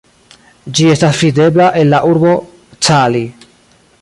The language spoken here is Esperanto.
Ĝi estas videbla el la urbo Cali.